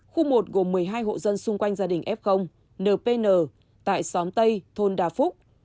khu một gồm một mươi hai hộ dân xung quanh gia đình f npn tại xóm tây thôn đa phúc